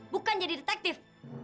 bukan jadi detektif